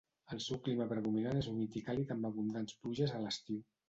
El seu clima predominant és humit i càlid amb abundants pluges a l'estiu.